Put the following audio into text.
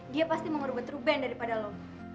dia pasti mau ngerubah truben daripada lo